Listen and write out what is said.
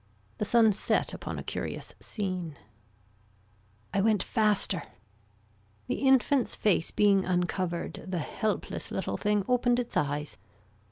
The sun set upon a curious scene I went faster. The infant's face being uncovered the helpless little thing opened its eyes.